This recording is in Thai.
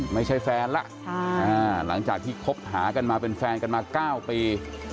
ไม่ใช่แฟนล่ะหลังจากที่คบหากันมาเป็นแฟนกันมา๙ปี